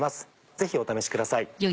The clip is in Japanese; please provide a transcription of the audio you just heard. ぜひお試しください。